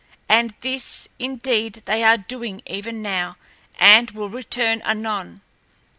And this, indeed, they are doing even now, and will return anon.